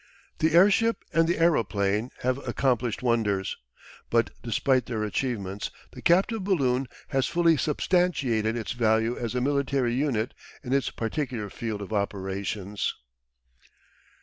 The airship and the aeroplane have accomplished wonders, but despite their achievements the captive balloon has fully substantiated its value as a military unit in its particular field of operations.